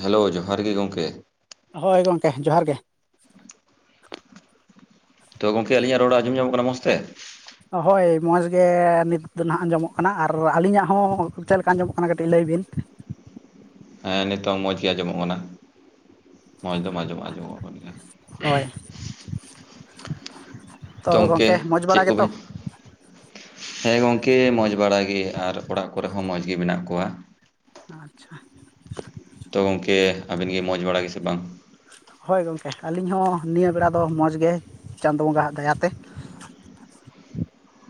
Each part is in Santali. ᱦᱮᱞᱳ ᱡᱚᱦᱟᱨ ᱜᱮ ᱜᱚᱢᱠᱮ᱾ ᱦᱳᱭ ᱜᱚᱢᱠᱮ ᱡᱚᱦᱟᱨ ᱜᱮ᱾ ᱛᱚ ᱜᱚᱢᱠᱮ ᱟᱹᱞᱤᱧᱟᱜ ᱨᱚᱲ ᱟᱸᱡᱚᱢ ᱧᱟᱢᱚᱜ ᱠᱟᱱᱟ ᱢᱚᱡᱽ ᱛᱮ ᱦᱳᱭ ᱢᱚᱡᱽ ᱜᱮ ᱱᱤᱛᱫᱚ ᱱᱦᱟᱜ ᱟᱸᱡᱚᱢᱚᱜ ᱠᱟᱱᱟ ᱟᱨ ᱟᱹᱞᱤᱧᱟᱜ ᱦᱚᱸ ᱪᱮᱫ ᱞᱮᱠᱟ ᱟᱸᱡᱚᱢᱚᱜ ᱠᱟᱱᱟ ᱠᱟᱹᱴᱤᱡ ᱞᱟᱹᱭ ᱵᱤᱱ? ᱦᱮᱸ ᱱᱤᱛᱚᱝ ᱢᱚᱸᱡᱽ ᱜᱮ ᱟᱸᱡᱚᱢᱚᱜ ᱠᱟᱱᱟ᱾ ᱢᱚᱡᱽ ᱫᱚᱢ ᱟᱸᱡᱚᱢᱚᱜᱼᱟ ᱟᱸᱡᱚᱢᱚᱜ ᱠᱟᱱ ᱜᱮᱭᱟ᱾ ᱦᱳᱭ ᱛᱚ ᱜᱚᱢᱠᱮ ᱢᱚᱡᱽ ᱵᱟᱲᱟ ᱪᱮᱫ ᱜᱮᱛᱚ ᱠᱚᱵᱤᱱ ᱦᱮᱸ ᱜᱚᱝᱠᱮ ᱢᱚᱸᱡᱽ ᱵᱟᱲᱟ ᱜᱮ ᱟᱨ ᱚᱲᱟᱜ ᱠᱚᱨᱮ ᱦᱚᱸ ᱢᱚᱸᱡᱽ ᱜᱮ ᱢᱮᱱᱟᱜ ᱠᱚᱣᱟ᱾ ᱟᱪᱪᱷᱟ ᱛᱚ ᱜᱚᱝᱠᱮ ᱟᱵᱤᱱ ᱜᱮ ᱢᱚᱸᱡᱽ ᱵᱟᱲᱟ ᱜᱮᱥᱮ ᱵᱟᱝ? ᱦᱳᱭ ᱜᱚᱢᱠᱮ ᱟᱹᱞᱤᱧ ᱦᱚᱸ ᱱᱤᱭᱟᱹ ᱵᱮᱲᱟ ᱫᱚ ᱢᱚᱡᱽ ᱜᱮ ᱪᱟᱸᱫᱚ ᱵᱚᱸᱜᱟᱣᱟᱜ ᱫᱟᱭᱟᱛᱮ᱾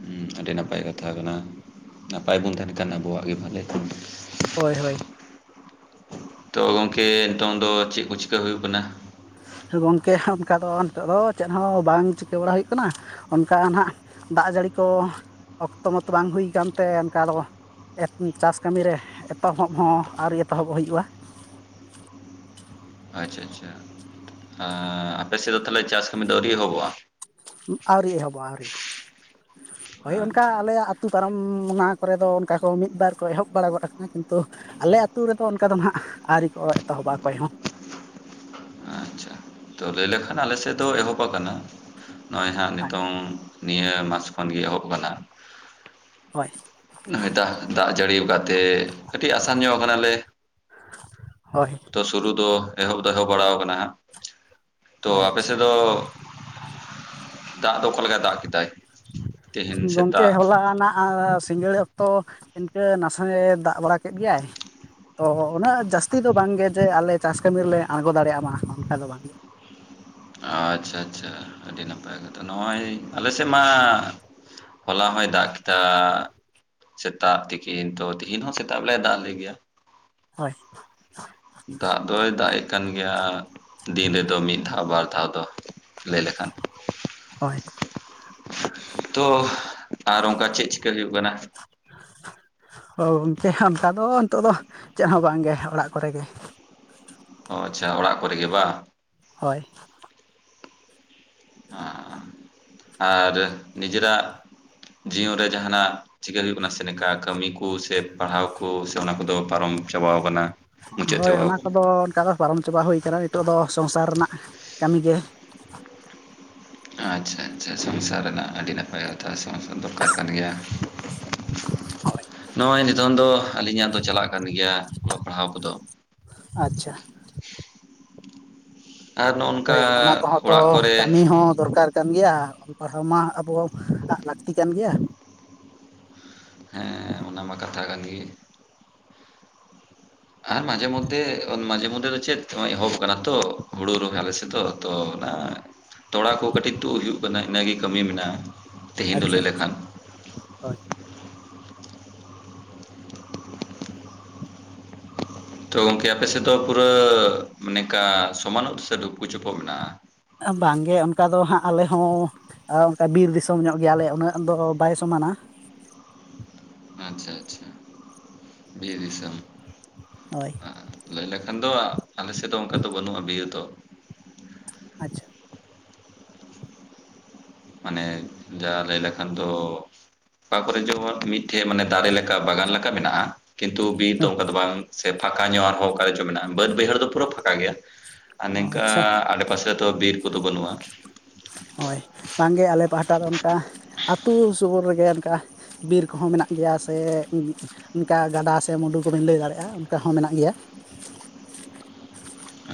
ᱦᱩᱸ, ᱟᱹᱰᱤ ᱱᱟᱯᱟᱭ ᱠᱟᱛᱷᱟ ᱠᱟᱱᱟ ᱱᱟᱯᱟᱭ ᱵᱚᱱ ᱛᱟᱦᱮᱱ ᱠᱷᱟᱱ ᱟᱵᱚᱣᱟᱜ ᱜᱮ ᱵᱷᱟᱞᱮ ᱟ᱾ ᱦᱳᱭ ᱦᱳᱭ ᱛᱚ ᱜᱚᱝᱠᱮ ᱱᱤᱛᱚᱝ ᱫᱚ ᱪᱮᱫ ᱠᱚ ᱪᱤᱠᱟᱹ ᱦᱩᱭᱩᱜ ᱠᱟᱱᱟ? ᱜᱚᱝᱠᱮ ᱚᱱᱠᱟ ᱫᱚ ᱱᱤᱛᱚᱜ ᱫᱚ ᱪᱮᱫ ᱦᱚᱸ ᱵᱟᱝ ᱪᱤᱠᱟᱹ ᱵᱟᱲᱟ ᱦᱩᱭᱩᱜ ᱠᱟᱱᱟ᱾ ᱚᱱᱠᱟ ᱦᱚᱱᱟᱜ ᱫᱟᱜ ᱡᱟᱹᱲᱤ ᱠᱚ ᱚᱠᱛᱚ ᱢᱚᱛᱚ ᱵᱟᱝ ᱦᱩᱭ ᱟᱠᱟᱱᱛᱮ ᱚᱱᱠᱟ ᱫᱚ᱾ ᱪᱟᱥ ᱠᱟᱹᱢᱤ ᱨᱮ ᱮᱛᱚᱦᱚᱵ ᱦᱚᱸ ᱟᱹᱣᱨᱤ ᱮᱛᱚᱦᱚᱵ ᱦᱩᱭᱩᱜᱼᱟ ᱾ ᱟᱪᱪᱷᱟ ᱟᱪᱪᱷᱟ ᱟᱯᱮ ᱥᱮᱫ ᱫᱚ ᱛᱟᱦᱞᱮ ᱪᱟᱥ ᱠᱟᱹᱢᱤ ᱫᱚ ᱟᱹᱣᱨᱤ ᱮᱦᱚᱵᱚᱜᱼᱟ? ᱟᱹᱣᱨᱤ ᱮᱦᱚᱵᱚᱜᱼᱟ, ᱟᱹᱣᱨᱤ ᱦᱳᱭ ᱚᱱᱠᱟ ᱟᱪᱪᱷᱟ ᱟᱞᱮᱭᱟᱜ ᱟᱹᱛᱩ ᱯᱟᱨᱚᱢ ᱚᱱᱟ ᱠᱚᱨᱮ ᱫᱚ ᱚᱱᱠᱟ ᱠᱚ ᱢᱤᱫ ᱵᱟᱨ ᱠᱚ ᱮᱦᱚᱵ ᱵᱟᱲᱟ ᱜᱚᱫ ᱟᱠᱟᱱᱟ ᱠᱤᱱᱛᱩ ᱟᱞᱮ ᱟᱹᱛᱩ ᱨᱮᱫᱚ ᱚᱱᱠᱟ ᱫᱚ ᱦᱟᱸᱜ ᱟᱹᱣᱨᱤ ᱠᱚ ᱮᱛᱚᱦᱚᱵᱟ ᱚᱠᱚᱭ ᱦᱚᱸ ᱟᱪᱪᱷᱟ ᱛᱚ ᱞᱟᱹᱭ ᱞᱮᱠᱷᱟᱱ ᱟᱞᱮᱥᱮᱫ ᱫᱚ ᱮᱦᱚᱵ ᱟᱠᱟᱱᱟ ᱱᱚᱜ ᱚᱭ ᱦᱟᱸᱜ ᱱᱤᱛᱚᱝ ᱱᱤᱭᱟᱹ ᱢᱟᱥ ᱠᱷᱚᱱᱜᱮ ᱮᱦᱚᱵ ᱟᱠᱟᱱᱟ ᱾ ᱦᱳᱭ ᱾ ᱦᱚᱭ ᱫᱟᱜ, ᱫᱟᱜ ᱡᱟᱹᱲᱤ ᱠᱟᱫᱛᱮ ᱠᱟᱹᱴᱤᱡ ᱟᱥᱟᱱ ᱧᱚᱜ ᱠᱟᱱᱟ ᱞᱮ ᱦᱳᱭ ᱛᱚ ᱥᱩᱨᱩ ᱫᱚ ᱮᱦᱚᱵ ᱫᱚ ᱮᱦᱚᱵᱽ ᱵᱟᱲᱟᱣ ᱠᱟᱱᱟ ᱦᱟᱸᱜ ᱛᱚ ᱦᱳᱭ ᱟᱪᱪᱷᱟ ᱟᱯᱮᱥᱮᱫ ᱫᱚ ᱫᱟᱜ ᱫᱚ ᱚᱠᱟ ᱞᱮ ᱜᱚᱝᱠᱮ ᱥᱮᱛᱟᱜ ᱦᱚᱞᱟᱱᱟᱜ ᱥᱤᱸᱜᱟᱹᱲ ᱛᱚ ᱤᱱᱠᱟᱹ ᱱᱟᱥᱮ ᱫᱟᱜ ᱵᱟᱲᱟ ᱠᱮᱫ ᱜᱮᱭᱟᱭ ᱛᱚ ᱩᱱᱟᱹᱜ ᱡᱟᱹᱥᱛᱤ ᱫᱚ ᱵᱟᱝ ᱜᱮ ᱡᱮ ᱟᱞᱮ ᱪᱟᱥ ᱠᱟᱹᱢᱤ ᱨᱮᱞᱮ ᱟᱬᱜᱚ ᱫᱟᱲᱮᱭᱟᱜ ᱢᱟ ᱚᱱᱠᱟ ᱫᱚ ᱵᱟᱝ ᱜᱮ ᱾ ᱟᱪᱪᱷᱟ ᱟᱪᱪᱷᱟ ᱟᱹᱰᱤ ᱱᱟᱯᱟᱭ ᱠᱟᱛᱷᱟ᱾ ᱱᱚᱜ-ᱚᱭ ᱟᱞᱮ ᱥᱮᱫ ᱢᱟ ᱦᱚᱞᱟ ᱦᱚᱭ ᱫᱟᱜ ᱠᱮᱫᱟ ᱥᱮᱛᱟᱜ ᱛᱤᱠᱤᱱ ᱛᱚ ᱛᱤᱦᱤᱱ ᱦᱚᱸ ᱥᱮᱛᱟᱜ ᱞᱮ ᱫᱟᱜ ᱟᱞᱮ ᱜᱮᱭᱟ ᱾ ᱦᱳᱭ ᱾ ᱫᱟᱜ ᱫᱚᱭ ᱫᱟᱜ ᱮ ᱠᱟᱱ ᱜᱮᱭᱟ ᱫᱤᱱ ᱨᱮᱫᱚ ᱢᱤᱫ ᱫᱷᱟᱣ ᱵᱟᱨ ᱫᱷᱟᱣ ᱫᱚ ᱾ ᱞᱟᱹᱭ ᱞᱮᱠᱷᱟᱱ ᱦᱳᱭ ᱛᱚ ᱟᱨ ᱚᱱᱠᱟ ᱪᱮᱫ ᱪᱤᱠᱟᱹ ᱦᱩᱭᱩᱜ ᱠᱟᱱᱟ? ᱜᱚᱝᱠᱮ ᱚᱱᱠᱟ ᱫᱚ ᱱᱤᱛᱳᱜ ᱫᱚ ᱪᱮᱫ ᱦᱚᱸ ᱵᱟᱝᱜᱮ ᱚᱲᱟᱜ ᱠᱚᱨᱮ ᱜᱮ ᱾ ᱚ ᱟᱪᱪᱷᱟ ᱚᱲᱟᱜ ᱠᱚᱨᱮ ᱜᱮ ᱵᱟᱝ? ᱦᱳᱭ ᱾ ᱟᱨ ᱱᱤᱡᱮᱨᱟᱜ ᱡᱤᱭᱚᱱ ᱨᱮ ᱡᱟᱦᱟᱱᱟᱜ ᱪᱤᱠᱟ ᱦᱩᱭᱩᱜ ᱠᱟᱱᱟ ᱥᱮ ᱱᱮᱠᱟ ᱠᱟᱹᱢᱤ ᱠᱚ ᱥᱮ ᱯᱟᱲᱦᱟᱣ ᱠᱚ ᱥᱮ ᱚᱱᱟ ᱠᱚᱫᱚ ᱯᱟᱨᱚᱢ ᱪᱟᱵᱟᱟᱣ ᱠᱟᱱᱟ᱾ ᱢᱩᱪᱟᱹᱫ ᱦᱳᱭ ᱪᱟᱵᱟᱣ ᱚᱱᱟ ᱠᱟᱱᱟ ᱠᱚᱫᱚ ᱚᱱᱠᱟ ᱫᱚ ᱯᱟᱨᱚᱢ ᱪᱟᱵᱟ ᱦᱩᱭ ᱠᱟᱱᱟ, ᱱᱤᱛᱚᱜ ᱫᱚ ᱥᱚᱝᱥᱟᱨ ᱨᱮᱱᱟᱜ ᱠᱟᱹᱢᱤ ᱜᱮ ᱾ ᱟᱪᱪᱷᱟ ᱟᱪᱪᱷᱟ ᱥᱚᱝᱥᱟᱨ ᱨᱮᱱᱟᱜ ᱟᱹᱰᱤ ᱱᱟᱯᱟᱭ ᱠᱟᱛᱷᱟ ᱥᱚᱝᱥᱟᱨ ᱫᱚᱨᱠᱟᱨ ᱠᱟᱱ ᱜᱮᱭᱟ᱾ ᱱᱚᱜ-ᱚᱭ ᱱᱤᱛᱚᱝ ᱫᱚ ᱟᱹᱞᱤᱧᱟᱜ ᱫᱚ ᱪᱟᱞᱟᱜ ᱠᱟᱱ ᱜᱮᱭᱟ, ᱚᱞᱚᱜ ᱯᱟᱲᱦᱟᱣ ᱠᱚᱫᱚ ᱟᱪᱪᱷᱟ ᱾ ᱟᱨ ᱱᱚᱜᱼᱚ ᱱᱚᱝᱠᱟ ᱦᱳᱭ ᱚᱱᱟ ᱠᱚᱦᱚᱸ ᱛᱚ ᱚᱲᱟᱜ ᱠᱚᱨᱮ ᱠᱟᱹᱢᱤ ᱦᱚᱸ ᱫᱚᱨᱠᱟᱨ ᱠᱟᱱ ᱜᱮᱭᱟ᱾ ᱚᱞ ᱯᱟᱲᱦᱟᱣ ᱢᱟ ᱟᱵᱚ ᱦᱚᱸ ᱞᱟᱹᱠᱛᱤ ᱠᱟᱱ ᱜᱮᱭᱟ᱾ ᱦᱮᱸ ᱚᱱᱟ ᱢᱟ ᱠᱟᱛᱷᱟ ᱠᱟᱱ ᱜᱮ ᱟᱨ ᱢᱟᱡᱷᱮ ᱢᱚᱫᱽᱫᱷᱮ ᱢᱟᱡᱷᱮ ᱢᱚᱫᱽᱫᱷᱮ ᱫᱚ ᱪᱮᱫ ᱮᱦᱚᱵ ᱟᱠᱟᱱᱟ ᱛᱚ ᱦᱩᱲᱩ ᱨᱚᱦᱚᱭ ᱟᱞᱮᱥᱮᱫᱚ ᱫᱚ ᱛᱚ ᱚᱱᱟ ᱛᱚᱞᱟ ᱠᱚ ᱠᱟᱹᱴᱤᱡ ᱛᱩᱫ ᱦᱩᱭᱩᱜ ᱠᱟᱱᱟ, ᱤᱱᱟᱹᱜᱮ ᱠᱟᱹᱢᱤ ᱢᱮᱱᱟᱜ-ᱟ᱾ ᱛᱮᱦᱮᱧ ᱫᱚ ᱟᱪᱪᱷᱟ ᱞᱟᱹᱭ ᱟᱪᱪᱷᱟ ᱞᱮᱠᱷᱟᱱ ᱦᱳᱭ ᱛᱚ ᱜᱚᱝᱠᱮ ᱟᱯᱮᱥᱮᱫ ᱫᱚ ᱯᱩᱨᱟᱹ ᱢᱮᱱᱮᱠᱟ ᱥᱚᱢᱟᱱ ᱚᱛ ᱥᱮ ᱰᱩᱯᱩ ᱪᱩᱯᱚᱜ ᱢᱮᱱᱟᱜ-ᱟ? ᱵᱟᱝ ᱜᱮ ᱚᱱᱠᱟ ᱫᱚ ᱦᱟᱸᱜ ᱟᱞᱮ ᱦᱚᱸ ᱟᱨ ᱚᱱᱠᱟ ᱵᱤᱨ ᱫᱤᱥᱚᱢ ᱧᱚᱜ ᱜᱮᱭᱟ ᱞᱮ ᱩᱱᱟᱹᱜ ᱫᱚ ᱵᱟᱭ ᱥᱚᱢᱟᱱᱟ ᱟᱪᱪᱷᱟ ᱟᱪᱪᱷᱟ ᱵᱤᱨ ᱫᱤᱥᱚᱢ ᱾ ᱦᱳᱭ ᱾ ᱞᱟᱹᱭ ᱞᱮᱠᱷᱟᱱ ᱫᱚ ᱟᱞᱮ ᱥᱮᱫ ᱫᱚ ᱚᱱᱠᱟ ᱫᱚ ᱵᱟᱹᱱᱩᱜ-ᱟ ᱵᱤᱨ ᱫᱚ ᱾ ᱟᱪᱪᱷᱟ ᱾ ᱢᱟᱱᱮ ᱡᱟ ᱞᱟᱹᱭ ᱞᱮᱠᱷᱟᱱ ᱫᱚ ᱚᱠᱟ ᱠᱚᱨᱮ ᱡᱮᱢᱚᱱ ᱢᱤᱫᱴᱷᱮᱡ ᱢᱟᱱᱮ ᱫᱟᱨᱮ ᱞᱮᱠᱟ ᱵᱟᱜᱟᱱ ᱞᱮᱠᱟ ᱢᱮᱱᱟᱜ-ᱟ᱾ ᱠᱤᱱᱛᱩ ᱵᱤᱨ ᱫᱚ ᱦᱳᱭ ᱚᱱᱠᱟ ᱫᱚ ᱵᱟᱝ ᱥᱮ ᱯᱷᱟᱸᱠᱟ ᱧᱚᱜ ᱟᱨᱦᱚᱸ ᱚᱠᱟᱨ ᱪᱚ ᱢᱮᱱᱟᱜ-ᱟ, ᱵᱟᱹᱫ ᱵᱟᱹᱭᱦᱟᱹᱲ ᱫᱚ ᱯᱩᱨᱟᱹ ᱯᱷᱟᱸᱠᱟ ᱜᱮᱭᱟ᱾ ᱟᱨ ᱱᱤᱝᱠᱟ ᱟᱪᱪᱷᱟ ᱟᱰᱮᱯᱟᱥᱮ ᱫᱚ ᱵᱤᱨ ᱠᱚᱫᱚ ᱵᱟᱹᱱᱩᱜ-ᱟ᱾ ᱦᱳᱭ ᱵᱟᱝ ᱜᱮ ᱟᱞᱮ ᱯᱟᱦᱚᱴᱟ ᱫᱚ ᱚᱱᱠᱟ ᱟᱹᱛᱩ ᱥᱩᱨ ᱨᱮᱜᱮ ᱚᱱᱠᱟ ᱵᱤᱨ ᱠᱚᱦᱚᱸ ᱢᱮᱱᱟᱜ ᱜᱮᱭᱟ ᱥᱮ ᱚᱱᱠᱟ ᱜᱟᱰᱟ ᱥᱮ ᱢᱩᱰᱩ [unintelligible] ᱞᱟᱹᱭ ᱫᱟᱲᱮᱭᱟᱜᱼᱟ ᱚᱱᱠᱟ ᱦᱚᱸ ᱢᱮᱱᱟᱜ ᱜᱮᱭᱟ ᱾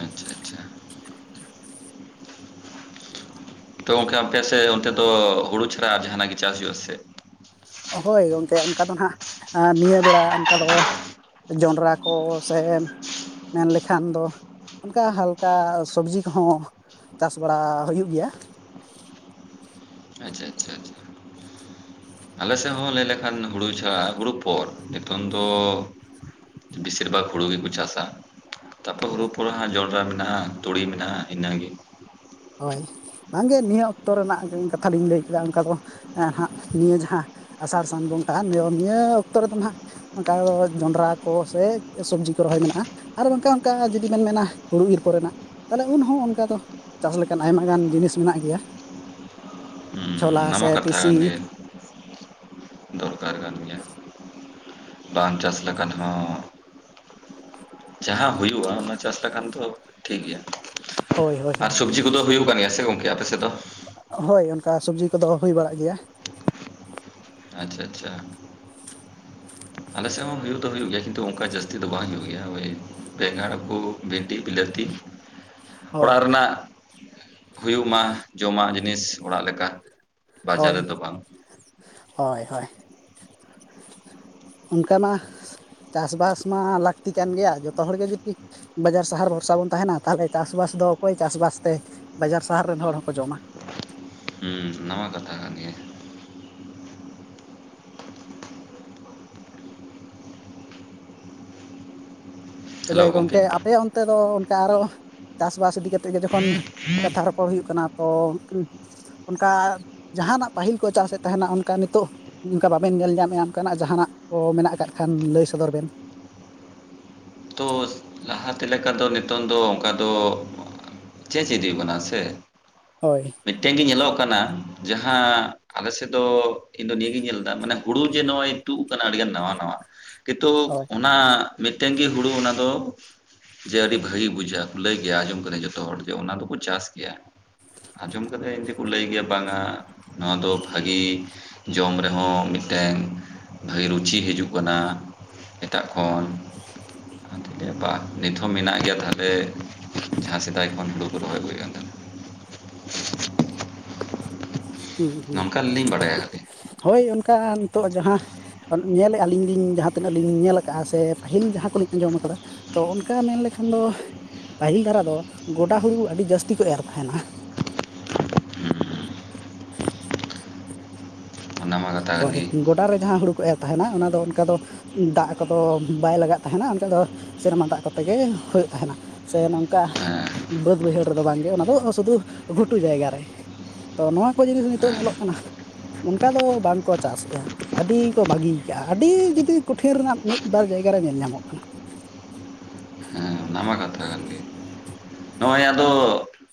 ᱟᱪᱪᱷᱟ ᱪᱷᱟ ᱛᱚ ᱜᱚᱢᱠᱮ ᱟᱯᱮ ᱥᱮ ᱚᱱᱛᱮ ᱫᱚ ᱦᱩᱲᱩ ᱪᱷᱟᱲᱟ ᱡᱟᱦᱟᱱᱟᱜ ᱜᱮ ᱪᱟᱥ ᱦᱩᱭᱩᱜ ᱟᱥᱮ ᱦᱚᱭ ᱜᱚᱢᱠᱮ ᱚᱱᱠᱟ ᱫᱚ ᱦᱟᱸᱜ ᱱᱤᱭᱟᱹ ᱵᱮᱲᱟ ᱚᱱᱠᱟ ᱫᱚ ᱡᱚᱱᱰᱨᱟ ᱠᱚ ᱥᱮᱱ ᱢᱮᱱ ᱞᱮᱠᱷᱟᱱ ᱫᱚ ᱚᱱᱠᱟ ᱦᱟᱞᱠᱟ ᱥᱚᱵᱽᱡᱤ ᱠᱚᱦᱚᱸ ᱪᱟᱥ ᱵᱟᱲᱟ ᱦᱩᱭᱩᱜ ᱜᱮᱭᱟ ᱾ ᱟᱪᱪᱷᱟ ᱪᱷᱟ ᱟᱞᱮ ᱥᱮᱫ ᱦᱚᱸ ᱞᱟᱹᱭ ᱞᱮᱠᱷᱟᱱ ᱦᱩᱲᱩ ᱪᱷᱟᱲᱟ ᱦᱩᱲᱩ ᱯᱚᱨ ᱱᱤᱛᱚᱝ ᱫᱚ ᱵᱮᱥᱤᱨ ᱵᱷᱟᱜᱽ ᱦᱩᱲᱩ ᱜᱮᱠᱚ ᱪᱟᱥᱼᱟ ᱾ ᱛᱟᱯᱚᱨ ᱦᱩᱲᱩ ᱦᱳᱭ ᱯᱚᱨᱮ ᱦᱟᱸ ᱡᱚᱸᱰᱨᱟ ᱢᱮᱱᱟᱜᱼᱟ ᱛᱩᱲᱤ ᱢᱮᱱᱟᱜᱼᱟ ᱤᱱᱟᱹᱜᱮ ᱾ ᱦᱚᱭ ᱵᱟᱝᱜᱮ ᱱᱤᱭᱟᱹ ᱚᱠᱛᱚ ᱨᱮᱱᱟᱜ ᱠᱟᱛᱷᱟ ᱞᱤᱧ ᱞᱟᱹᱭ ᱠᱮᱫᱟ ᱚᱱᱠᱟ ᱫᱚ ᱾ ᱦᱟᱜ ᱱᱤᱭᱟᱹ ᱡᱟᱦᱟᱸ ᱟᱥᱟᱲ ᱥᱟᱱ ᱵᱚᱸᱜᱟ ᱱᱤᱭᱟ ᱱᱤᱭᱟᱹ ᱚᱠᱛᱚ ᱨᱮᱫᱚ ᱦᱟᱸᱜ ᱚᱱᱠᱟ ᱡᱚᱱᱰᱨᱟ ᱠᱚ ᱥᱮ ᱥᱚᱵᱽᱡᱤ ᱠᱚ ᱨᱚᱦᱚᱭ ᱢᱮᱱᱟᱜᱼᱟ ᱾ ᱟᱨ [unintelligible] ᱚᱱᱠᱟ ᱡᱩᱫᱤ ᱵᱤᱱ ᱢᱮᱱᱟ ᱦᱩᱲᱩ ᱤᱨ ᱠᱚᱨᱮᱱᱟᱜ ᱛᱟᱦᱚᱞᱮ ᱩᱱᱦᱚᱸ ᱚᱱᱠᱟ ᱫᱚ ᱪᱟᱥ ᱞᱮᱠᱟᱱ ᱟᱭᱢᱟ ᱜᱟᱱ ᱡᱤᱱᱤᱥ ᱢᱮᱱᱟᱜ ᱜᱮᱭᱟ ᱦᱩᱸ ᱪᱷᱚᱞᱟ ᱚᱱᱟ ᱥᱮ ᱢᱟ ᱠᱟᱛᱷᱟ ᱴᱤᱥᱤ ᱠᱟᱱ ᱜᱮ ᱫᱚᱨᱠᱟᱨ ᱠᱟᱱ ᱜᱮᱭᱟ ᱵᱟᱝ ᱪᱟᱥ ᱞᱮᱠᱷᱟᱱ ᱦᱚᱸ ᱡᱟᱦᱟᱸ ᱦᱩᱭᱩᱜᱼᱟ ᱾ ᱚᱱᱟ ᱪᱟᱥ ᱞᱮᱠᱷᱟᱱ ᱫᱚ ᱴᱷᱤᱠ ᱜᱮᱭᱟ ᱦᱳᱭ ᱦᱳᱭ ᱟᱨ ᱦᱳᱭ ᱥᱚᱵᱡᱤ ᱠᱚᱫᱚ ᱦᱩᱭᱩᱜ ᱠᱟᱱ ᱜᱮᱭᱟ ᱥᱮ ᱜᱚᱝᱠᱮ ᱟᱯᱮ ᱥᱮᱫ ᱫᱚ? ᱦᱚᱭ ᱚᱱᱠᱟ ᱥᱚᱵᱡᱤ ᱠᱚᱫᱚ ᱦᱩᱭ ᱵᱟᱲᱟᱜ ᱜᱮᱭᱟ ᱾ ᱟᱪᱪᱷᱟ ᱪᱷᱟ ᱟᱞᱮ ᱥᱮᱫ ᱦᱚᱸ ᱦᱩᱭᱩᱜ ᱫᱚ ᱦᱩᱭᱩᱜ ᱜᱮᱭᱟ ᱠᱤᱱᱛᱩ ᱚᱱᱠᱟ ᱡᱟᱹᱥᱛᱤ ᱫᱚ ᱵᱟᱝ ᱦᱩᱭᱩᱜ ᱜᱮᱭᱟ ᱚᱭ ᱵᱮᱸᱜᱟᱲ ᱠᱩ ᱵᱷᱤᱰᱤ ᱵᱤᱞᱟᱹᱛᱤ ᱦᱳᱭ ᱚᱲᱟᱜ ᱨᱮᱱᱟᱜ ᱦᱩᱭᱩᱜ ᱢᱟ ᱡᱚᱢᱟᱜ ᱡᱤᱱᱤᱥ ᱚᱲᱟᱜ ᱞᱮᱠᱟ ᱵᱟᱡᱟᱨ ᱨᱮ ᱫᱚ ᱵᱟᱝ ᱦᱚᱭ ᱦᱚᱭ ᱚᱱᱠᱟ ᱢᱟ ᱪᱟᱥᱵᱟᱥ ᱢᱟ ᱞᱟᱹᱠᱛᱤ ᱠᱟᱱ ᱜᱮᱭᱟ ᱡᱚᱛᱚ ᱦᱚᱲᱜᱮ ᱡᱩᱫᱤ ᱵᱟᱡᱟᱨ ᱥᱟᱦᱟᱨ ᱵᱷᱚᱨᱥᱟ ᱵᱚᱱ ᱛᱟᱦᱮᱱᱟ ᱛᱟᱦᱚᱞᱮ ᱪᱟᱥᱵᱟᱥ ᱫᱚ ᱚᱠᱚᱭ ᱪᱟᱥᱵᱟᱥᱛᱮ ᱵᱟᱡᱟᱨ ᱥᱟᱦᱟᱨ ᱨᱮᱱ ᱦᱚᱲ ᱦᱚᱸᱠᱚ ᱡᱚᱢᱟ ᱾ ᱦᱩᱸ ᱚᱱᱟ ᱢᱟ ᱠᱟᱛᱷᱟ ᱠᱟᱱ ᱜᱮᱭᱟ ᱾ ᱛᱚᱵᱮ ᱦᱮᱞᱳ ᱜᱚᱢᱠᱮ ᱜᱚᱝᱠᱮ ᱟᱯᱮ ᱚᱱᱛᱮ ᱫᱚ ᱚᱱᱠᱟ ᱟᱨᱚ ᱪᱟᱥᱵᱟᱥ ᱤᱫᱤ ᱠᱟᱛᱮ ᱜᱮ ᱡᱚᱠᱷᱚᱱ ᱠᱟᱛᱷᱟ ᱨᱚᱯᱚᱲ ᱦᱩᱭᱩᱜ ᱠᱟᱱᱟ ᱛᱚ ᱚᱱᱠᱟ ᱡᱟᱦᱟᱱᱟᱜ ᱯᱟᱹᱦᱤᱞ ᱠᱚ ᱪᱟᱥ ᱥᱮᱫ ᱛᱟᱦᱮᱱᱟ ᱚᱱᱠᱟ ᱱᱤᱛᱚᱜ ᱚᱝᱠᱟ ᱵᱟᱵᱮᱱ ᱧᱮᱞ ᱧᱟᱢᱮᱜᱼᱟ ᱚᱱᱠᱟᱱᱟᱜ ᱡᱟᱦᱟᱱᱟᱜ ᱠᱚ ᱢᱮᱱᱟᱜ ᱟᱠᱟᱫ ᱠᱷᱟᱱ ᱞᱟᱹᱭ ᱥᱚᱫᱚᱨ ᱵᱮᱱ ᱾ ᱛᱚ ᱞᱟᱦᱟᱛᱮ ᱞᱮᱠᱟ ᱫᱚ ᱱᱤᱛᱚᱝ ᱫᱚ ᱚᱱᱠᱟ ᱫᱚ ᱾ ᱪᱮᱪ ᱤᱫᱤ ᱦᱩᱭᱩᱜ ᱠᱟᱱᱟ ᱥᱮ ᱾ ᱦᱚᱭ ᱢᱤᱫᱴᱮᱱ ᱜᱮ ᱧᱮᱞᱚᱜ ᱠᱟᱱᱟ ᱡᱟᱦᱟᱸ ᱟᱞᱮᱥᱮᱫ ᱫᱚ ᱤᱧ ᱫᱚ ᱱᱤᱭᱟᱹ ᱜᱤᱧ ᱧᱮᱞ ᱮᱫᱟ ᱢᱟᱱᱮ ᱦᱩᱲᱩ ᱡᱮ ᱱᱚᱜᱼᱚᱭ ᱛᱩᱜ ᱟᱠᱟᱱᱟ ᱟᱹᱰᱤᱜᱟᱱ ᱱᱟᱣᱟ ᱱᱟᱣᱟ ᱠᱤᱱᱛᱩ ᱦᱳᱭ ᱚᱱᱟ ᱢᱤᱫᱴᱮᱱ ᱜᱮ ᱦᱩᱲᱩ ᱚᱱᱟ ᱫᱚ ᱡᱮ ᱟᱹᱰᱤ ᱵᱷᱟᱹᱜᱤ ᱵᱩᱡᱷᱟᱹᱜᱼᱟ ᱞᱟᱹᱭ ᱜᱮᱭᱟ ᱟᱸᱡᱚᱢ ᱠᱟᱫᱟ ᱡᱚᱛᱚ ᱦᱚᱲ ᱡᱮ ᱚᱱᱟ ᱫᱚᱠᱚ ᱪᱟᱥ ᱜᱮᱭᱟ ᱾ ᱟᱡᱚᱢ ᱠᱟᱫᱟᱧ ᱡᱮ ᱠᱚ ᱞᱟᱹᱭ ᱜᱮᱭᱟ ᱵᱟᱝᱟ ᱱᱚᱣᱟ ᱫᱚ ᱵᱷᱟᱹᱜᱤ ᱡᱚᱢ ᱨᱮᱦᱚᱸ ᱢᱤᱫᱴᱮᱱ ᱵᱷᱟᱹᱜᱤ ᱨᱩᱪᱤ ᱦᱤᱡᱩᱜ ᱠᱟᱱᱟ ᱮᱴᱟᱜ ᱠᱷᱚᱱ ᱾ [unintelligible] ᱱᱤᱛᱦᱚᱸ ᱢᱮᱱᱟᱜ ᱜᱮᱭᱟ ᱛᱟᱦᱞᱮ ᱡᱟᱦᱟᱸ ᱥᱮᱫᱟᱭ ᱠᱷᱚᱱ ᱦᱩᱲᱩ ᱠᱚ ᱨᱚᱦᱚᱭ ᱟᱹᱜᱩᱭᱮᱫ ᱱᱚᱝᱠᱟ ᱞᱤᱧ ᱵᱟᱲᱟᱭᱟ ᱠᱷᱟᱹᱞᱤ ᱦᱚᱭ ᱚᱱᱠᱟ ᱱᱤᱛᱚᱜ ᱡᱟᱦᱟᱸ ᱧᱮᱞᱮᱜᱼᱟ ᱟᱹᱞᱤᱧ ᱞᱤᱧ ᱡᱟᱦᱟᱸ ᱛᱤᱱᱟᱹᱜ ᱞᱤᱧ ᱧᱮᱞ ᱟᱠᱟᱜᱼᱟ ᱥᱮ ᱯᱟᱹᱦᱤᱞ ᱡᱟᱦᱟᱸ ᱠᱚᱞᱤᱧ ᱟᱸᱡᱚᱢ ᱟᱠᱟᱫᱟ ᱛᱚ ᱚᱱᱠᱟ ᱢᱮᱱᱞᱮᱠᱷᱟᱱ ᱫᱚ ᱯᱟᱹᱦᱤᱞ ᱫᱷᱟᱨᱟ ᱫᱚ ᱜᱚᱰᱟ ᱦᱩᱲᱩ ᱟᱹᱰᱤ ᱡᱟᱹᱥᱛᱤ ᱠᱚ ᱮᱨ ᱛᱟᱦᱮᱱᱟ ᱾ [inaudible] ᱚᱱᱟ ᱢᱟ ᱠᱟᱛᱷᱟ ᱠᱟᱱ ᱦᱚᱭ ᱜᱮ ᱜᱚᱰᱟ ᱨᱮ ᱡᱟᱦᱟᱸ ᱦᱩᱲᱩ ᱠᱚ ᱮᱨ ᱛᱟᱦᱮᱱᱟ ᱚᱱᱟ ᱫᱚ ᱚᱱᱠᱟ ᱫᱚ ᱾ ᱫᱟᱜ ᱠᱚᱫᱚ ᱵᱟᱭ ᱞᱟᱜᱟᱜ ᱛᱟᱦᱮᱱᱟ ᱚᱱᱠᱟ ᱫᱚ ᱥᱮᱨᱢᱟ ᱫᱟᱜ ᱠᱚᱛᱮ ᱜᱮ ᱦᱩᱭᱩᱜ ᱛᱟᱦᱮᱱᱟ ᱥᱮ ᱱᱚᱝ ᱠᱟ ᱦᱮᱸ ᱵᱟᱹᱫᱽ ᱵᱟᱹᱭᱦᱟᱹᱲ ᱨᱮᱫᱚ ᱵᱟᱝᱜᱮ ᱚᱱᱟ ᱫᱚ ᱥᱩᱫᱩ ᱜᱷᱩᱴᱩ ᱡᱟᱭᱜᱟ ᱨᱮ ᱛᱚ ᱱᱚᱣᱟ ᱠᱚ ᱡᱤᱱᱤᱥ ᱱᱤᱛᱚᱜ ᱧᱮᱞᱚᱜ ᱠᱟᱱᱟ ᱚᱱᱠᱟ ᱫᱚ ᱵᱟᱝ ᱠᱚ ᱪᱟᱥᱮᱜᱼᱟ ᱟᱹᱰᱤ ᱠᱚ ᱵᱟᱹᱜᱤ ᱭᱟᱠᱟᱜᱼᱟ ᱟᱹᱰᱤ ᱡᱩᱫᱤ ᱠᱩᱴᱷᱤᱱ ᱨᱮᱱᱟᱜ ᱢᱤᱫ ᱵᱟᱨ ᱡᱟᱭᱜᱟ ᱨᱮ ᱧᱮᱞ ᱧᱟᱢᱚᱜ ᱠᱟᱱᱟ ᱾ ᱦᱩᱸ ᱚᱱᱟ ᱢᱟ ᱠᱟᱛᱷᱟ ᱠᱟᱱ ᱜᱮ ᱾ ᱱᱚᱜᱼᱚᱭ ᱟᱫᱚ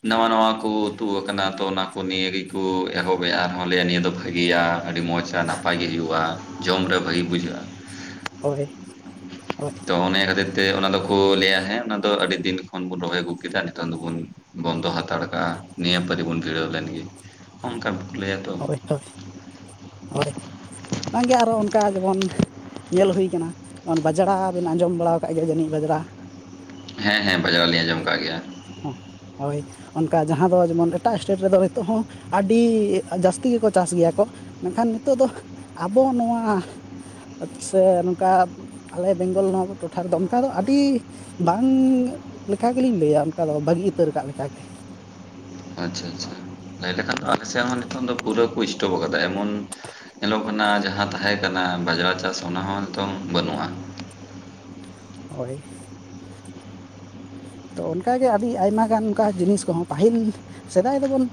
ᱱᱟᱶᱟ ᱱᱟᱶᱟ ᱠᱚ ᱛᱩᱜ ᱟᱠᱟᱱᱟ ᱛᱚ ᱚᱱᱟ ᱠᱚ ᱱᱤ ᱜᱮᱠᱚ ᱮᱦᱚᱵᱮᱜᱼᱟ ᱾ ᱚᱣᱟ ᱞᱟᱹᱭᱟ ᱱᱤᱭᱟᱹ ᱫᱚ ᱵᱷᱟᱹᱜᱤᱭᱟ ᱟᱹᱰᱤ ᱢᱚᱸᱡᱽᱟ ᱱᱟᱯᱟᱭ ᱜᱮ ᱦᱩᱭᱩᱜᱼᱟ ᱡᱚᱢ ᱨᱮ ᱵᱷᱟᱜᱤ ᱵᱩᱡᱷᱟᱹᱜᱼᱟ ᱾ ᱦᱚᱭ ᱦᱚᱭ ᱾ ᱛᱚ ᱚᱱᱮ ᱠᱷᱟᱹᱛᱤᱨ ᱛᱮ ᱚᱱᱟ ᱫᱚᱠᱚ ᱞᱟᱹᱭᱟ ᱦᱮᱸ ᱚᱱᱟ ᱫᱚ ᱟᱹᱰᱤ ᱫᱤᱱ ᱠᱷᱚᱱ ᱵᱚᱱ ᱨᱚᱦᱚᱭ ᱟᱹᱜᱩ ᱠᱮᱫᱟ ᱱᱤᱛᱚᱝ ᱫᱚᱵᱩᱱ ᱵᱚᱱᱫᱚ ᱦᱟᱛᱟᱲ ᱠᱟᱜᱼᱟ ᱱᱤᱭᱟᱹ ᱯᱟ. ᱨᱤ ᱵᱚᱱ ᱜᱤᱲᱟᱹᱣ ᱞᱮᱱᱜᱮ ᱾ ᱚᱱᱠᱟ ᱵᱟᱠᱚ ᱞᱟᱹᱭᱟ ᱛᱚ ᱦᱚᱭ ᱦᱚᱭ ᱦᱚᱭ ᱵᱟᱝᱜᱮ ᱟᱨᱚ ᱚᱱᱠᱟ ᱡᱮᱢᱚᱱ ᱧᱮᱞ ᱦᱩᱭᱟᱠᱟᱱᱟ, ᱵᱟᱡᱽᱲᱟ ᱵᱮᱱ ᱟᱸᱡᱚᱢ ᱵᱟᱲᱟ ᱟᱠᱟᱫ ᱜᱮᱭᱟ ᱡᱟᱹᱱᱤᱡ ᱵᱟᱡᱽᱲᱟ ᱦᱮᱸ ᱦᱮᱸ ᱵᱟᱡᱽᱲᱟ ᱞᱤᱧ ᱟᱸᱡᱚᱢ ᱟᱠᱟᱜ ᱜᱮᱭᱟ ᱾ ᱦᱚᱸ ᱦᱚᱭ ᱚᱱᱠᱟ ᱡᱟᱦᱟᱸ ᱫᱚ ᱡᱮᱢᱚᱱ ᱮᱴᱟᱜ ᱥᱴᱮᱴ ᱨᱮᱫᱚ ᱱᱤᱛᱚᱜ ᱦᱚᱸ ᱟᱹᱰᱤ ᱡᱟᱹᱥᱛᱤ ᱜᱮᱠᱚ ᱪᱟᱥ ᱜᱮᱭᱟ ᱠᱚ ᱢᱮᱱᱠᱷᱟᱱ ᱱᱤᱛᱚᱜ ᱫᱚ ᱟᱵᱚ ᱱᱚᱣᱟ ᱟᱪᱷ ᱥᱮ ᱱᱚᱝᱠᱟ ᱟᱞᱮ ᱵᱮᱝᱜᱚᱞ ᱱᱚᱣᱟ ᱴᱚᱴᱷᱟ ᱨᱮᱫᱚ ᱚᱱᱠᱟ ᱫᱚ ᱟᱹᱰᱤ ᱵᱟᱝ ᱞᱮᱠᱟ ᱜᱮᱞᱤᱧ ᱞᱟᱹᱭᱟ᱾ ᱠᱟᱫᱚ ᱵᱟᱹᱜᱤ ᱩᱛᱟᱹᱨ ᱞᱟᱠᱟᱜ ᱞᱮᱠᱟ ᱜᱮ ᱾ ᱟᱪᱪᱷᱟ ᱟᱪᱪᱷᱟ ᱞᱟᱹᱭ ᱞᱮᱠᱷᱟᱱ ᱫᱚ ᱟᱞᱮ ᱥᱮᱫ ᱦᱚᱸ ᱱᱤᱛᱚᱜ ᱫᱚ ᱯᱩᱨᱟᱹ ᱠᱚ ᱥᱴᱚᱯ ᱟᱠᱟᱫᱟ ᱮᱢᱚᱱ ᱧᱮᱞᱚᱜ ᱠᱟᱱᱟ ᱡᱟᱦᱟᱸ ᱛᱟᱦᱮᱸ ᱠᱟᱱᱟ ᱵᱟᱡᱽᱲᱟ ᱪᱟᱥ ᱚᱱᱟᱦᱚᱸ ᱱᱤᱛᱚᱝ ᱵᱟᱹᱱᱩᱜᱼᱟ᱾ ᱦᱚᱭ ᱛᱚ ᱚᱱᱠᱟ ᱜᱮ ᱟᱹᱰᱤ ᱟᱭᱢᱟ ᱜᱟᱱ ᱚᱱᱠᱟ ᱡᱤᱱᱤᱥ ᱠᱚᱦᱚᱸ ᱯᱟᱹᱦᱤᱞ ᱥᱮᱫᱟᱭ ᱫᱚᱵᱚᱱ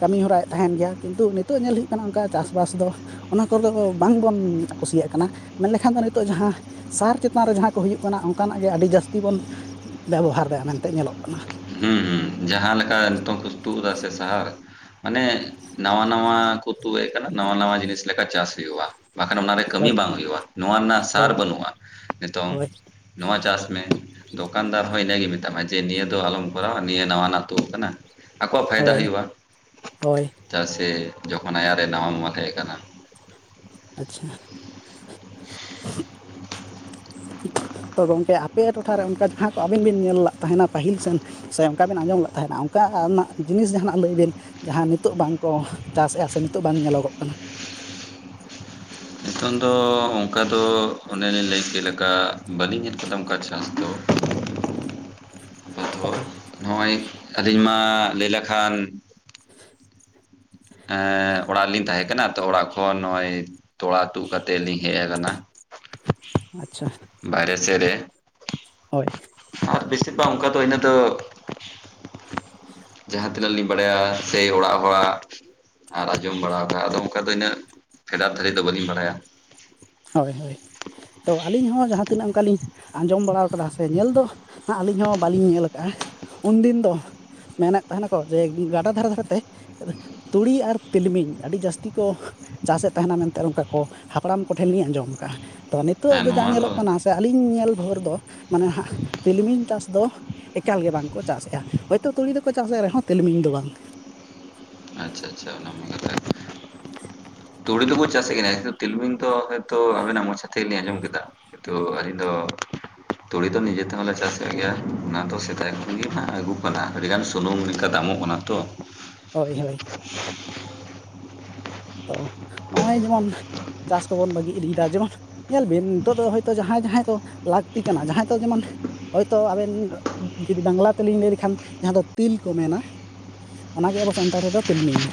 ᱠᱟᱹᱢᱤ ᱦᱚᱨᱟᱭ ᱛᱟᱦᱮᱸᱱ ᱜᱮᱭᱟ ᱠᱤᱱᱛᱩ ᱱᱤᱛᱚᱜ ᱧᱮᱞ ᱦᱩᱭᱩᱜ ᱠᱟᱱᱟ ᱚᱱᱠᱟ ᱪᱟᱥᱵᱟᱥ ᱫᱚ ᱚᱱᱟ ᱠᱚᱫᱚ ᱵᱟᱝᱵᱚᱱ ᱠᱩᱥᱤᱭᱟᱜ ᱠᱟᱱᱟ ᱢᱮᱱᱞᱠᱷᱟᱱ ᱫᱚ ᱱᱤᱛᱚᱜ ᱡᱟᱦᱟᱸ ᱥᱟᱨ ᱪᱮᱛᱟᱱ ᱨᱮ ᱡᱟᱦᱟᱸ ᱠᱚ ᱦᱩᱭᱩᱜ ᱠᱟᱱᱟ ᱚᱱᱠᱟᱱᱟᱜ ᱜᱮ ᱟᱹᱰᱤ ᱡᱟᱹᱥᱛᱤ ᱵᱚᱱ ᱵᱮᱵᱚᱦᱟᱨ ᱫᱮ ᱢᱮᱱᱛᱮ ᱧᱮᱞᱚᱜ ᱠᱟᱱᱟ᱾ ᱦᱩᱸ ᱦᱩᱸ ᱡᱟᱦᱟᱸ ᱞᱮᱠᱟ ᱱᱤᱛᱚᱝ ᱠᱚ ᱛᱩᱫ ᱮᱫᱟ ᱥᱮ ᱥᱟᱦᱟᱨ ᱢᱟᱱᱮ ᱱᱟᱣᱟ ᱱᱟᱣᱟ ᱠᱚ ᱛᱩ ᱮᱫ ᱠᱟᱱᱟ ᱱᱟᱣᱟ ᱱᱟᱣᱟ ᱡᱤᱱᱤᱥ ᱞᱮᱠᱟ ᱪᱟᱥ ᱦᱩᱭᱩᱜᱼᱟ᱾ ᱵᱟᱠᱷᱟᱱ ᱚᱱᱟᱨᱮ ᱠᱟᱹᱢᱤ ᱦᱳᱭ ᱵᱟᱝ ᱦᱩᱭᱩᱜᱼᱟ᱾ ᱱᱚᱣᱟ ᱨᱮᱱᱟᱜ ᱥᱟᱨ ᱦᱳᱭ ᱵᱟᱹᱱᱩᱜ-ᱟ᱾ ᱱᱤᱛᱚᱝ ᱦᱳᱭ ᱱᱚᱣᱟ ᱪᱟᱥ ᱢᱮ ᱫᱚᱠᱟᱱᱫᱟᱨ ᱦᱚᱸᱭ ᱤᱱᱟᱹᱜᱮ ᱢᱮᱛᱟᱢᱟ ᱡᱮ ᱱᱤᱭᱟᱹ ᱫᱚ ᱟᱞᱚᱢ ᱠᱚᱨᱟᱣᱟ ᱱᱤᱭᱟᱹ ᱱᱟᱣᱟᱱᱟᱜ ᱛᱩᱜ ᱟᱠᱟᱱᱟ᱾ ᱟᱠᱚᱣᱟᱜ ᱯᱷᱟᱭᱫᱟ ᱦᱳᱭ ᱦᱩᱭᱩᱜᱼᱟ ᱦᱳᱭ ᱪᱟᱜ ᱥᱮ ᱡᱚᱠᱷᱚᱱ ᱟᱭᱟᱜ ᱨᱮ ᱱᱟᱣᱟ [unintelligible] ᱦᱮᱡ ᱟᱠᱟᱱᱟ ᱾ ᱟᱪᱪᱷᱟ ᱾ ᱛᱚ ᱜᱚᱝᱠᱮ ᱟᱯᱮ ᱴᱚᱴᱷᱟ ᱨᱮ ᱚᱱᱠᱟ ᱡᱟᱦᱟᱸ ᱠᱚ ᱟᱵᱤᱱ ᱵᱤᱱ ᱧᱮᱞ ᱞᱟᱜᱼᱟ ᱛᱟᱦᱮᱸᱱᱟ ᱯᱟᱹᱦᱤᱞ ᱥᱮᱱ ᱥᱮ ᱚᱱᱠᱟ ᱵᱤᱱ ᱟᱸᱡᱚᱢ ᱞᱮᱜ ᱛᱟᱦᱮᱸᱱᱟ ᱚᱱᱠᱟᱱᱟᱜ ᱡᱤᱱᱤᱥ ᱡᱟᱦᱟᱱᱟᱜ ᱞᱟᱹᱭ ᱵᱤᱱ ᱡᱟᱦᱟᱸ ᱱᱤᱛᱚᱜ ᱵᱟᱝᱠᱚ ᱪᱟᱥᱮᱜᱼᱟ ᱥᱮ ᱱᱤᱛᱚᱜ ᱵᱟᱝ ᱧᱮᱞᱚᱜᱚᱜ ᱠᱟᱱᱟ᱾ ᱱᱤᱛᱚᱝ ᱫᱚ ᱚᱱᱠᱟ ᱫᱚ ᱚᱱᱮᱞᱤᱧ ᱞᱟᱹᱭ ᱪᱮᱫ ᱞᱮᱠᱟ ᱵᱟᱹᱞᱤᱧ ᱧᱮᱞ ᱟᱠᱟᱫᱟ ᱚᱱᱠᱟ ᱪᱟᱥ ᱫᱚ᱾ [inaudible] ᱦᱳᱭ [unintelligible] ᱱᱚᱜᱼᱚᱭ ᱟᱹᱞᱤᱧ ᱢᱟ ᱞᱟᱹᱭ ᱞᱮᱠᱷᱟᱱ ᱮᱸ ᱚᱲᱟᱜ ᱨᱮᱞᱤᱧ ᱛᱟᱦᱮᱸ ᱠᱟᱱᱟ ᱛᱚ ᱚᱲᱟᱜ ᱠᱷᱚᱱ ᱱᱚᱜ-ᱚᱭ ᱛᱚᱲᱟ ᱛᱩᱜ ᱠᱟᱛᱮᱜ ᱞᱤᱧ ᱦᱮᱜ ᱟᱠᱟᱱᱟ᱾ ᱟᱪᱪᱷᱟ ᱵᱟᱭᱨᱮ ᱥᱮᱜ ᱨᱮ ᱦᱚᱭ ᱾ ᱟᱨ ᱵᱤᱥᱤ ᱫᱚ ᱵᱟᱝ ᱚᱱᱠᱟ ᱫᱚ ᱤᱱᱟᱹ ᱫᱚ ᱡᱟᱦᱟᱸ ᱛᱤᱱᱟᱹᱜ ᱞᱤᱧ ᱵᱟᱲᱟᱭᱟ ᱥᱮ ᱚᱲᱟᱜ ᱦᱚᱲᱟᱜ ᱟᱨ ᱟᱡᱚᱢ ᱵᱟᱲᱟᱣ ᱟᱠᱟᱜ ᱟᱫᱚ ᱚᱱᱠᱟ ᱫᱚ ᱤᱱᱟᱹᱜ ᱯᱷᱮᱰᱟᱛ ᱫᱷᱟᱹᱨᱤᱡ ᱫᱚ ᱵᱟᱹᱞᱤᱧ ᱵᱟᱲᱟᱭᱟ᱾ ᱦᱚᱭ ᱦᱚᱭ ᱛᱚ ᱟᱹᱞᱤᱧ ᱦᱚᱸ ᱡᱟᱦᱟᱸ ᱛᱤᱱᱟᱹᱜ ᱚᱱᱠᱟᱞᱤᱧ ᱟᱸᱡᱚᱢ ᱵᱟᱲᱟᱣ ᱟᱠᱟᱫᱟ ᱥᱮ ᱧᱮᱞ ᱫᱚ ᱦᱟᱸᱜ ᱟᱹᱞᱤᱧ ᱦᱚᱸ ᱵᱟᱹᱞᱤᱧ ᱧᱮᱞᱟᱜᱼᱟ ᱩᱱᱫᱤᱱ ᱫᱚ ᱢᱮᱱᱮᱫ ᱛᱟᱦᱮᱸᱱᱟᱠᱚ ᱡᱮ ᱜᱟᱰᱟ ᱫᱷᱟᱨᱮ ᱫᱷᱟᱨᱮ ᱛᱮ ᱛᱩᱲᱤ ᱟᱨ ᱛᱤᱞᱢᱤᱧ ᱟᱹᱰᱤ ᱡᱟᱹᱥᱛᱤ ᱠᱚ ᱪᱟᱥᱮᱫ ᱛᱟᱦᱮᱸᱱᱟ ᱢᱮᱱᱛᱮ ᱚᱱᱠᱟ ᱠᱚ ᱦᱟᱯᱲᱟᱢ ᱠᱚ ᱴᱷᱮᱱ ᱞᱤᱧ ᱟᱸᱡᱚᱢ ᱟᱠᱟᱜᱼᱟ᱾ ᱛᱚ ᱱᱤᱛᱚᱜ ᱦᱮᱸ ᱫᱚ ᱡᱟ ᱱᱚᱣᱟ ᱧᱮᱞᱚᱜ ᱠᱟᱱᱟ ᱥᱮ ᱟᱹᱞᱤᱧ ᱧᱮᱞ ᱵᱷᱩᱨ ᱫᱚ ᱢᱟᱱᱮ ᱦᱟᱸᱜ ᱛᱤᱞᱢᱤᱧ ᱪᱟᱥ ᱫᱚ ᱮᱠᱟᱞ ᱜᱮ ᱵᱟᱝᱠᱚ ᱪᱟᱥᱮᱫᱼᱟ ᱦᱚᱭᱛᱚ ᱛᱩᱲᱤ ᱫᱚᱠᱚ ᱪᱟᱥᱮᱫ ᱨᱮᱦᱚᱸ ᱛᱞᱤᱢᱤᱧ ᱫᱚ ᱵᱟᱝ᱾ ᱟᱪᱪᱷᱟ ᱟᱪᱪᱷᱟ, ᱚᱱᱟ ᱢᱟ ᱠᱟᱛᱷᱟ [unintelligible] ᱛᱩᱲᱤ ᱫᱚᱠᱚ ᱪᱟᱥᱮᱫ ᱜᱮᱱᱟ, ᱠᱤᱱᱛᱩ ᱛᱤᱞᱢᱤᱧ ᱫᱚ ᱦᱚᱭᱛᱚ ᱟᱵᱮᱱᱟᱜ ᱢᱚᱪᱟ ᱛᱮᱜᱮᱞᱤᱧ ᱟᱸᱡᱚᱢ ᱠᱮᱫᱟ᱾ ᱠᱤᱱᱛᱩ ᱟᱹᱞᱤᱧ ᱫᱚ ᱛᱩᱲᱤ ᱫᱚ ᱱᱤᱡᱮ ᱛᱮᱦᱚᱸᱞᱮ ᱪᱟᱥᱮᱫ ᱜᱮᱭᱟ, ᱚᱱᱟ ᱫᱚ ᱥᱮᱫᱟᱭ ᱠᱷᱚᱱ ᱜᱮ ᱦᱟᱸᱜ ᱟᱹᱜᱩᱜ ᱠᱟᱱᱟ ᱟᱹᱰᱤᱜᱟᱱ ᱥᱩᱱᱩᱢ ᱞᱮᱠᱟ ᱫᱟᱢᱚᱜ ᱠᱟᱱᱟ ᱛᱚ᱾ ᱦᱳᱭ ᱦᱳᱭ᱾ [inaudible] ᱛᱚ ᱱᱚᱜᱼᱚᱭ ᱡᱮᱢᱚᱱ ᱪᱟᱥ ᱠᱚᱵᱚᱱ ᱵᱟᱹᱜᱤ ᱤᱫᱤᱭᱮᱫᱟ, ᱡᱮᱢᱚᱱ ᱧᱮᱞ ᱵᱤᱱ ᱱᱤᱛᱚᱜ ᱫᱚ ᱦᱳᱭᱛᱳ ᱡᱟᱦᱟᱸᱭ ᱡᱟᱦᱟᱸᱭ ᱫᱚ ᱞᱟᱹᱠᱛᱤ ᱠᱟᱱᱟ ᱡᱟᱦᱟᱸᱭ ᱫᱚ ᱡᱮᱢᱚᱱᱼᱼ ᱦᱳᱭᱛᱳ ᱟᱵᱮᱱ ᱡᱩᱫᱤ ᱵᱟᱝᱞᱟ ᱛᱮᱞᱤᱧ ᱞᱟᱹᱭ ᱞᱮᱠᱷᱟᱱ ᱡᱟᱦᱟᱸ ᱫᱚ ᱛᱤᱞ ᱠᱚ ᱢᱮᱱᱟ, ᱚᱱᱟᱜᱮ ᱟᱵᱚ ᱥᱟᱱᱛᱟᱲ ᱛᱮᱫᱚ ᱛᱤᱞᱢᱤᱧ᱾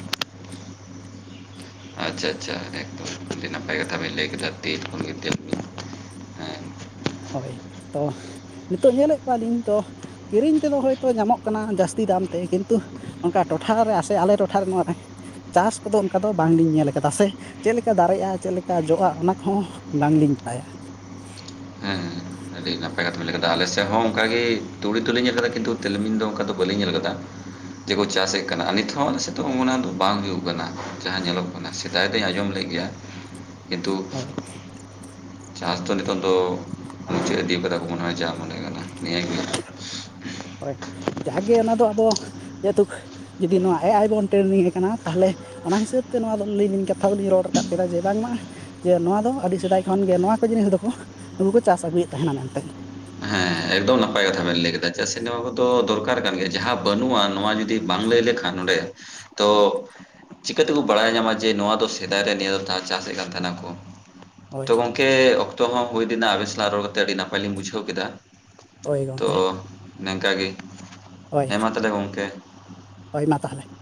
[inaudible] ᱟᱪᱪᱷᱟ ᱟᱪᱪᱷᱟ ᱮᱠ [unintelligible] ᱟᱹᱰᱤ ᱱᱟᱯᱟᱭ ᱠᱟᱛᱷᱟ ᱵᱮᱱ ᱞᱟᱹᱭ ᱠᱮᱫᱟ ᱛᱤᱞ ᱠᱷᱚᱱ ᱜᱮ ᱛᱤᱞ ᱦᱳᱭ-ᱛᱚ, ᱱᱤᱛᱚᱜ ᱧᱮᱞᱮᱫ ᱠᱚᱣᱟᱞᱤᱧ ᱛᱚ ᱠᱤᱨᱤᱧ ᱛᱮᱫᱚ ᱦᱳᱭᱛᱳ ᱧᱟᱢᱚᱜ ᱠᱟᱱᱟ ᱡᱟᱹᱥᱛᱤ ᱫᱟᱢ ᱛᱮ ᱠᱤᱱᱛᱩ ᱚᱝᱠᱟ ᱴᱚᱴᱷᱟ ᱨᱮ ᱥᱮ ᱟᱞᱮ ᱴᱚᱴᱷᱟ ᱨᱮ ᱱᱚᱣᱟ ᱨᱮ ᱪᱟᱥ ᱠᱚᱫᱚ ᱚᱱᱠᱟ ᱫᱚ ᱵᱟᱝ ᱞᱤᱧ ᱧᱮᱞ ᱠᱟᱫᱟ ᱥᱮ ᱪᱮᱫ ᱞᱮᱠᱟ ᱫᱟᱨᱮᱜᱼᱟ ᱪᱮᱫ ᱞᱮᱠᱟ ᱡᱚᱜᱼᱟ ᱚᱱᱟ ᱠᱚᱦᱚᱸ ᱵᱟᱝ ᱞᱤᱧ ᱵᱟᱲᱟᱭᱟ᱾ ᱦᱮᱸ, ᱟᱹᱰᱤ ᱱᱟᱯᱟᱭ ᱠᱟᱛᱷᱟᱢ ᱞᱟᱹᱭ ᱟᱠᱟᱫᱟ ᱟᱞᱮ ᱥᱮᱫ ᱦᱚᱸ ᱚᱱᱠᱟᱜᱮ ᱛᱩᱲᱤ ᱛᱚᱞᱤᱧ ᱧᱮᱞ ᱟᱠᱟᱫᱟ ᱠᱤᱱᱛᱩ ᱛᱤᱞᱢᱤᱧ ᱫᱚ ᱚᱱᱠᱟ ᱫᱚ ᱵᱟᱹᱞᱤᱧ ᱧᱮᱞ ᱟᱠᱟᱫᱟ, ᱡᱮᱠᱚ ᱪᱟᱥᱮᱫ ᱠᱟᱱᱟ ᱟᱨ ᱱᱤᱛᱦᱚᱸ ᱚᱱᱟ ᱥᱮᱛᱟᱝ ᱚᱱᱟ ᱫᱚ ᱵᱟᱝ ᱦᱩᱭᱩᱜ ᱠᱟᱱᱟ, ᱡᱟᱦᱟᱸ ᱧᱮᱞᱚᱜ ᱠᱟᱱᱟ᱾ ᱚᱱᱟ ᱥᱮᱫᱟᱭ ᱫᱩᱧ ᱟᱸᱡᱚᱢ ᱞᱮᱫ ᱜᱮᱭᱟ ᱠᱤᱱᱛᱩ ᱦᱳᱭ ᱪᱟᱥ ᱫᱚ ᱱᱤᱛᱚᱜ ᱫᱚ ᱟᱫᱚ ᱢᱚᱱᱮ ᱦᱚᱭ ᱜᱮ ᱡᱟ ᱢᱚᱱᱮ ᱠᱟᱱᱟ ᱱᱤᱭᱟᱹᱜᱮ [unintelligible] ᱦᱳᱭ, ᱡᱟᱦᱟᱜᱜᱮ ᱚᱱᱟ ᱫᱚ ᱟᱵᱚ ᱡᱮᱦᱮᱛᱩ ᱡᱩᱫᱤ ᱱᱚᱣᱟ ᱮ. ᱟᱭ. ᱵᱚᱱ ᱴᱨᱮᱱᱤᱝ ᱮ ᱠᱟᱱᱟ ᱛᱟᱦᱚᱞᱮ ᱚᱱᱟ ᱦᱤᱥᱟᱹᱵ ᱛᱮ ᱱᱚᱣᱟ ᱨᱚᱲ, ᱞᱟᱹᱭ ᱞᱤᱧ ᱠᱟᱛᱷᱟ ᱫᱚᱞᱤᱧ ᱨᱚᱲ ᱨᱟᱠᱟᱵ ᱠᱮᱫᱟ ᱡᱮ ᱵᱟᱝᱢᱟ ᱡᱮ ᱱᱚᱣᱟ ᱫᱚ ᱟᱹᱰᱤ ᱥᱮᱫᱟᱭ ᱠᱷᱚᱱ ᱜᱮ ᱱᱚᱣᱟ ᱠᱚ ᱡᱤᱱᱤᱥ ᱫᱚᱠᱚ ᱱᱩᱠᱩ ᱠᱚ ᱪᱟᱥ ᱟᱹᱜᱩᱭᱮᱫ ᱛᱟᱦᱮᱸᱱᱟ ᱢᱮᱱᱛᱮ, ᱮᱠᱫᱚᱢ ᱱᱟᱯᱟᱭ ᱠᱟᱛᱷᱟ ᱵᱮᱱ ᱞᱟᱹᱭ ᱠᱮᱫᱟ᱾ ᱪᱟᱜ ᱥᱮ ᱱᱚᱣᱟ ᱠᱚᱫᱚ ᱫᱚᱨᱠᱟᱨ ᱠᱟᱱ ᱜᱮᱭᱟ ᱡᱟᱦᱟᱸ ᱵᱟᱹᱱᱩᱜᱼᱟ ᱱᱚᱣᱟ ᱡᱩᱫᱤ ᱵᱟᱝ ᱞᱟᱹᱭ ᱞᱮᱠᱷᱟᱱ ᱱᱚᱸᱰᱮ ᱛᱚ ᱪᱤᱠᱟᱹ ᱛᱮᱠᱚ ᱵᱟᱲᱟᱭ ᱧᱟᱢᱟ ᱡᱮ ᱱᱚᱣᱟ ᱫᱚ ᱥᱮᱫᱟᱭ ᱨᱮ ᱱᱤᱭᱟᱹ ᱴᱟᱜ ᱪᱟᱥᱮᱫ ᱠᱟᱱ ᱛᱟᱸᱦᱮᱱᱟ ᱠᱚ, ᱛᱚ ᱦᱳᱭ ᱜᱚᱝᱠᱮ ᱚᱠᱛᱚ ᱦᱚᱸ ᱦᱩᱭ ᱤᱫᱤᱱᱟ ᱟᱵᱮᱱ ᱥᱟᱞᱟᱜ ᱨᱚᱲ ᱠᱟᱛᱮᱜ ᱟᱹᱰᱤ ᱱᱟᱯᱟᱭ ᱞᱤᱧ ᱵᱩᱡᱷᱟᱹᱣ ᱠᱮᱫᱟ᱾ ᱦᱳᱭ ᱛᱚ ᱜᱚᱢᱠᱮ ᱱᱮᱝᱠᱟ ᱜᱮ, ᱦᱳᱭ ᱦᱮᱸ ᱢᱟ ᱛᱟᱦᱚᱞᱮ ᱜᱚᱝᱠᱮ᱾ ᱦᱳᱭ ᱢᱟ ᱛᱟᱦᱚᱞᱮ᱾